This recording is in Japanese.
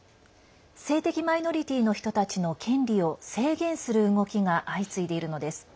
性的マイノリティーの人たちの権利を、制限する動きが相次いでいるのです。